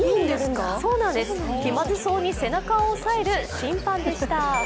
気まずそうに背中を押さえる審判でした。